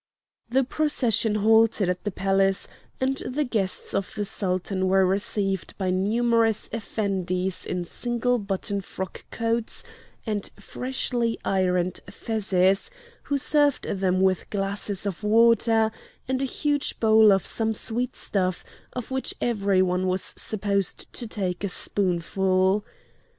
The procession halted at the palace, and the guests of the Sultan were received by numerous effendis in single button frock coats and freshly ironed fezzes, who served them with glasses of water, and a huge bowl of some sweet stuff, of which every one was supposed to take a spoonful.